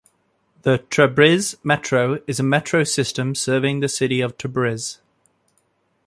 The Tabriz Metro is a metro system serving the city of Tabriz.